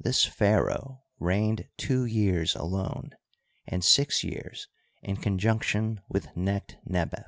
This pharaoh reigned two years alone, and six years in conjunction with Necht nebef.